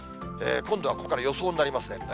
今度はここから予想になりますね。